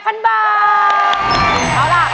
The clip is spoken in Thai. เอาล่ะ